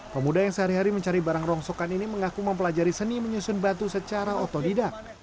pemuda yang sehari hari mencari barang rongsokan ini mengaku mempelajari seni menyusun batu secara otodidak